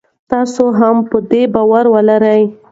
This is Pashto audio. تاسي هم په دې باور ولرئ.